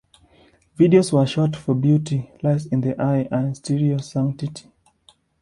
Videos were shot for "Beauty Lies in the Eye" and "Stereo Sanctity".